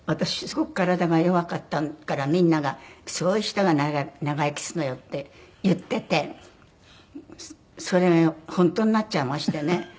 すごく体が弱かったからみんながそういう人が長生きするのよって言っててそれ本当になっちゃいましてね。